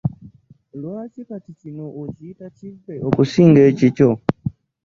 Lwaki kati kino okiyita kivve okusinga ekikyo?